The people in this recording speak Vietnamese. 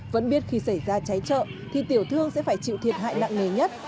vẫn biết khi xảy ra cháy chợ thì tiểu thương sẽ phải chịu thiệt hại nặng nề nhất